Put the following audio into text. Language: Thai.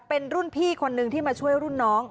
เป็นรุ่นพี่คนนึงที่มาช่วยรุ่นน้อง